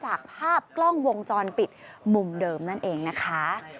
จากภาพกล้องวงจรปิดมุมเดิมนั่นเองนะคะ